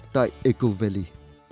tại eco valley